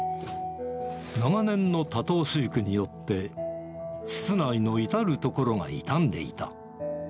長年の多頭飼育によって、室内の至る所が傷んでいた。